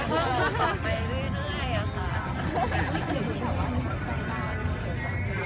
แม่กับผู้วิทยาลัย